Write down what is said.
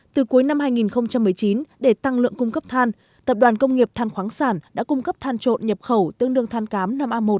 từ cuối năm hai nghìn một mươi chín để tăng lượng cung cấp than tập đoàn công nghiệp than khoáng sản đã cung cấp than trộn nhập khẩu tương đương than cám năm a một